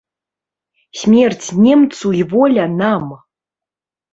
Смерць немцу і воля нам!